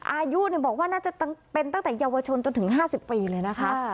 อายุบอกว่าน่าจะเป็นตั้งแต่เยาวชนจนถึง๕๐ปีเลยนะคะ